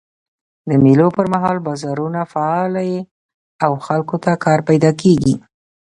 د مېلو پر مهال بازارونه فعاله يي او خلکو ته کار پیدا کېږي.